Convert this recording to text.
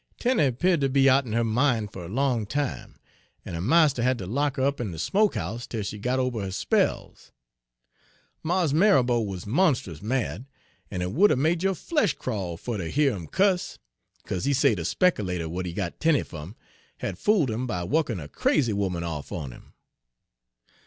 "Tenie 'peared ter be out'n her min' fer a long time, en her marster ha' ter lock her up in de smoke 'ouse 'tel she got ober her spells. Mars Marrabo wuz monst'us mad, en hit would 'a' made yo' flesh crawl fer ter hear him cuss, 'caze he say de spekilater w'at he got Tenie fum had fooled 'im by wukkin' a crazy 'oman off on him.